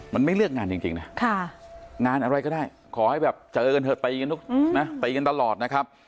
มันไม่เลือกงานจริงงานอะไรก็ได้ขอให้เจอกันเถอะตะยีกันตลอดนะครับ